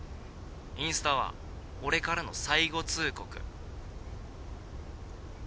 インスタは俺からの最後通告。